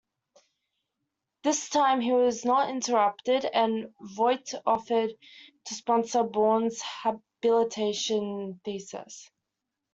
This time he was not interrupted, and Voigt offered to sponsor Born's habilitation thesis.